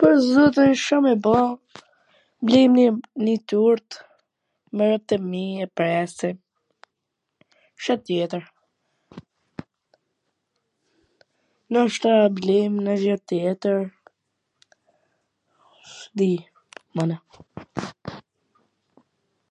pwr zotin, Ca me ba, blejm nonj turt, me robt e mi, e presim, Ca tjetwr, noshta blejm nonj gja tjetwr, s di, mana